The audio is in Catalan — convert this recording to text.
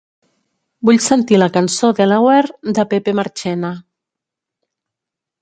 Vull sentir la cançó Delaware de Pepe Marchena